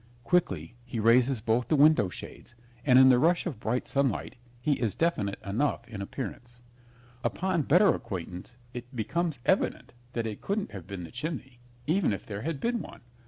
Quickly he raises both the window shades, and in the rush of bright sunlight he is definite enough in appearance. Upon better acquaintance it becomes evident that it couldn't have been the chimney, even if there had been one.